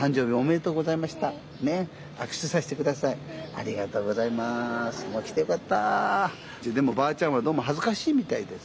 でもばあちゃんはどうも恥ずかしいみたいです。